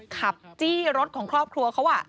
ขับจี้รถของครอบครัวเขา